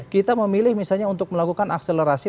kita memilih misalnya untuk melakukan akselerasi